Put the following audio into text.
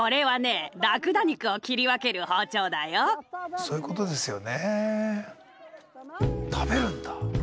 そういうことですよね。